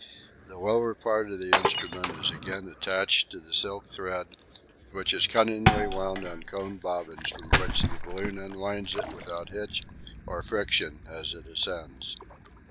The lower part of the instrument is again attached to the silk thread, which is cunningly wound on coned bobbins from which the balloon unwinds it without hitch or friction as it ascends.